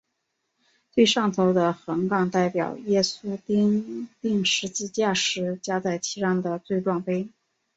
最上头的横杠代表耶稣钉十字架时加在其上的罪状牌。